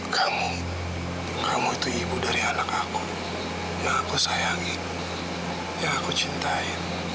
kamu kamu itu ibu dari anak aku yang aku sayangi ya aku cintai